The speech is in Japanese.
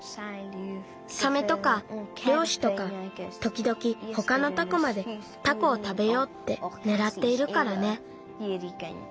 サメとかりょうしとかときどきほかのタコまでタコをたべようってねらっているからね。